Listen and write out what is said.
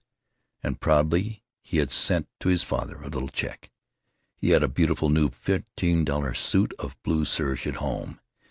And proudly he had sent to his father a little check. He had a beautiful new fifteen dollar suit of blue serge at home.